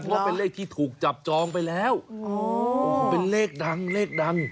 เพราะว่าเป็นเลขที่ถูกจับจองไปแล้วโอ้โหเป็นเลขดังเลขดัง